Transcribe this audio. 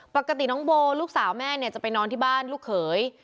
ปกติน้องโบลูกสาวแม่เนี่ยจะไปนอนที่บ้านลูกเขย